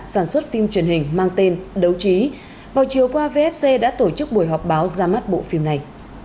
sản xuất phim truyền hình mang tên đấu trí vào chiều qua vfc đã tổ chức buổi họp báo ra mắt bộ phim này